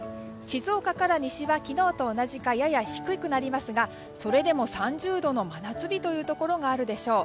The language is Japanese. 静岡から西は昨日と同じかやや低くなりますがそれでも３０度の真夏日というところがあるでしょう。